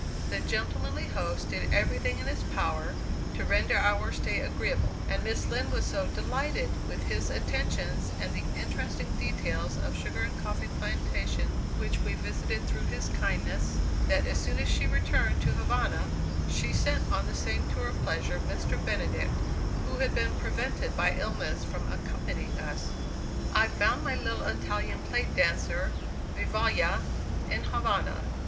The gentlemanly host did everything in his power to render our stay agreeable; and Miss Lind was so delighted with his attentions and the interesting details of sugar and coffee plantations which we visited through his kindness, that as soon as she returned to Havana, she sent on the same tour of pleasure Mr. Benedict, who had been prevented by illness from accompanying us. I found my little Italian plate dancer, Vivalla, in Havana.